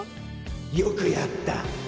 よくやった。